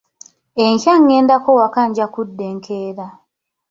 Enkya ŋŋendako waka nja kudda enkeera.